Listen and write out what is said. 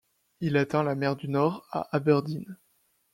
Il atteint la mer du Nord à Aberdeen.